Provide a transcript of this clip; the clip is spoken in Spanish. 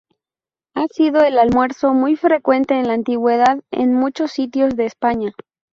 Ha sido un almuerzo muy frecuente en la antigüedad en muchos sitios de España.